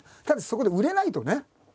ただそこで売れないとね。